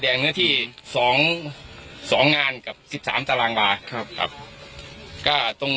เนื้อที่สองสองงานกับสิบสามตารางวาครับครับก็ตรง